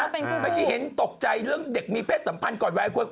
เมื่อกี้เห็นตกใจเรื่องเด็กมีเพศสัมพันธ์ก่อนวัยควร